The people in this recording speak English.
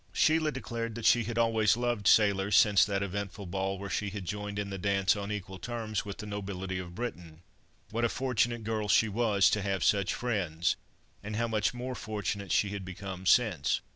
Sheila declared that she had always loved sailors since that eventful ball, where she had joined in the dance on equal terms with the nobility of Britain. What a fortunate girl she was, to have such friends; and how much more fortunate she had become since!